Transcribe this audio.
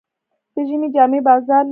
د ژمي جامې بازار لري.